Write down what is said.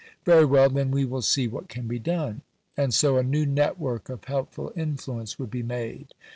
Very well, then we will see what can be done." And so a new network of helpful influence would be made.